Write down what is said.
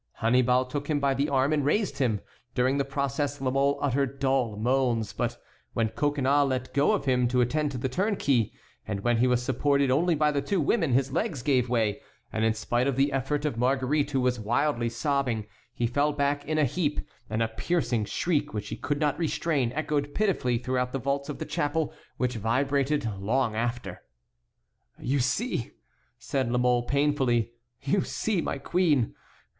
Annibal took him by the arm and raised him. During the process La Mole uttered dull moans, but when Coconnas let go of him to attend to the turnkey, and when he was supported only by the two women his legs gave way, and in spite of the effort of Marguerite, who was wildly sobbing, he fell back in a heap, and a piercing shriek which he could not restrain echoed pitifully throughout the vaults of the chapel, which vibrated long after. "You see," said La Mole, painfully, "you see, my queen!